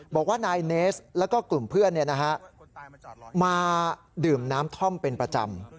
บอกว่านายเนสแล้วก็กลุ่มเพื่อนมาดื่มน้ำท่อมเป็นประจำ